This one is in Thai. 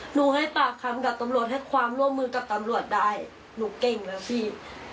ให้ปากคำกับตำรวจให้ความร่วมมือกับตำรวจได้หนูเก่งแล้วพี่